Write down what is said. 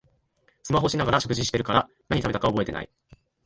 スマホしながら食事してるから何食べたか覚えてない